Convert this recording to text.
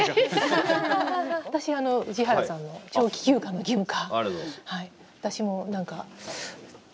私は宇治原さんの「長期休暇の義務化」。